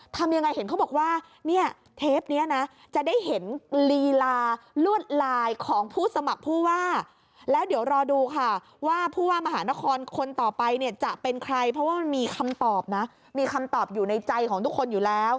ทำยังไงเขาบอกว่าเทปนี้นะ